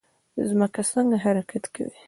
ځمکه څنګه حرکت کوي؟